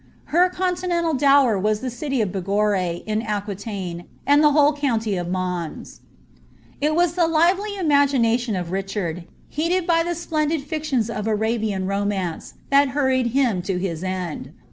Her continental dower wtia the rity ol* Bigorre in Aquitaine, maii ihe whole cnunly of 3Iaiu. ll wu the lively iroa^HBiion of Richard, healed by the ^eodid fic tions of Arabian romance, ihal hurried him to hie end.